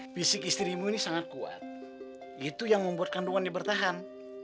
fisik istrimu ini sangat kuat itu yang membuat kandungan dia bertahan